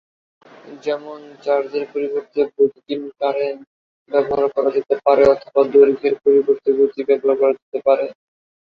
যেমন চার্জের পরিবর্তে বৈদ্যুতিন কারেন্ট ব্যবহার করা যেতে পারে অথবা দৈর্ঘ্যের পরিবর্তে গতি ব্যবহার করা যেতে পারে।